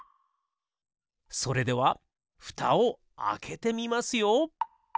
それではふたをあけてみますよ。